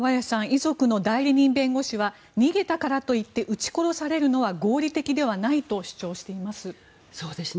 遺族の代理人弁護士は逃げたからといって撃ち殺されるのは合理的ではないと主張しています。